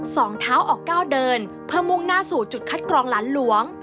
สองเท้าออกก้าวเดินเพื่อมุ่งหน้าสู่จุดคัดกรองหลานหลวง